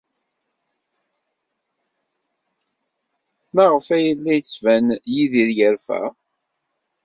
Maɣef ay la d-yettban Yidir yerfa?